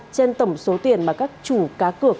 trên tổng số tiền mà các chủ cá cược